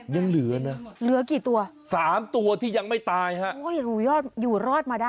ยังเหลือนะเหลือกี่ตัวสามตัวที่ยังไม่ตายฮะโอ้ยหรูยอดอยู่รอดมาได้